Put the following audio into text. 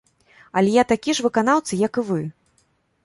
Але я такі ж выканаўца, як і вы.